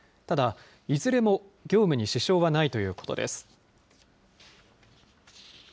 ただ、いずれも業務に支障はないということです。